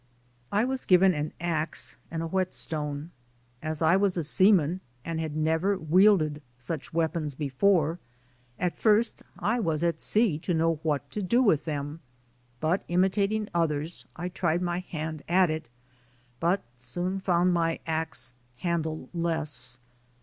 I was given an ax and a whetstone. As I was a seaman and had never wielded such weapons be fore, at first I was at sea to know what to do with them. But imitating others, I tried my hand at it, but soon found my ax handle less.